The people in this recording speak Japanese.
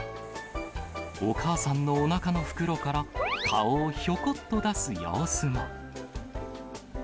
お母さんのおなかの袋から、顔をひょこっと出す様子も。